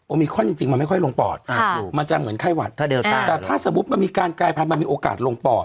มิคอนจริงมันไม่ค่อยลงปอดมันจะเหมือนไข้หวัดแต่ถ้าสมมุติมันมีการกายพันธุ์มีโอกาสลงปอด